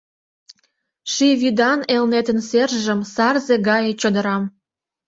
Ший вӱдан Элнетын сержым, сарзе гае чодырам.